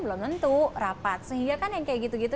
belum tentu rapat sehingga kan yang kayak gitu gitu